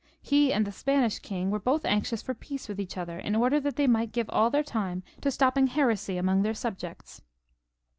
He and the Spanish king were both anxious for peace with each other, in order that they might give all their time to stopping heresy among their subjects.